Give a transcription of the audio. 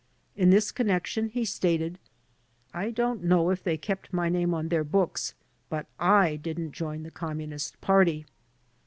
In this connection he stated: "I don't know if they kept my name on their books, but I didn't join the Communist Party."